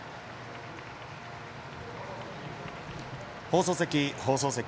放送席、放送席。